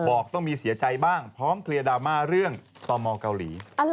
บอกต้องมีเสียใจบ้างพร้อมเคลียร์ดราม่าเรื่องต่อมองเกาหลี